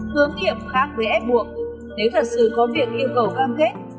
hướng nghiệp khác với ép buộc nếu thật sự có việc yêu cầu cam kết